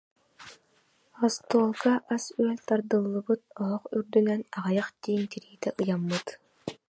Остуолга асүөл тардыллыбыт, оһох үрдүнэн аҕыйах тииҥ тириитэ ыйаммыт